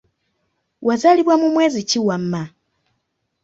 Wazaalibwa mu mwezi ki wamma?